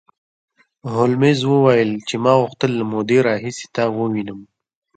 هولمز وویل چې ما غوښتل له مودې راهیسې تا ووینم